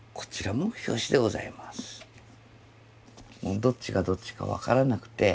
もうどっちがどっちか分からなくて。